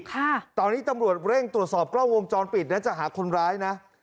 ค่ะตอนนี้ตำรวจเร่งตรวจสอบกล้องวงจรปิดนะจะหาคนร้ายนะ